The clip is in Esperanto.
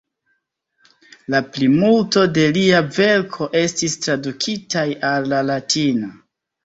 La plimulto de lia verko estis tradukitaj al la latina.